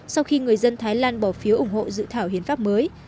sau khi người dân thái lan bỏ phiếu ủng hộ dự thảo hiến pháp mới